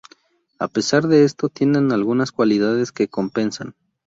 A pesar de esto, tienen algunas cualidades que compensan.